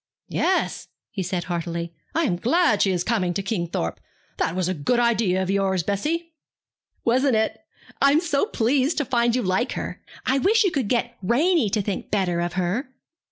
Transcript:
'Yes,' he said heartily, 'I am glad she is coming to Kingthorpe. That was a good idea of yours, Bessie.' 'Wasn't it? I am so pleased to find you like her. I wish you could get Ranie to think better of her.'